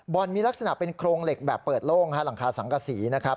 มีลักษณะเป็นโครงเหล็กแบบเปิดโล่งหลังคาสังกษีนะครับ